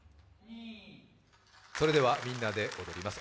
それではみんなで踊ります